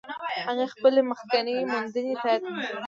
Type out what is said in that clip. هغې خپلې مخکینۍ موندنې تایید کړې.